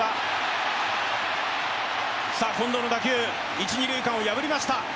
近藤の打球、一・二塁間を破りました。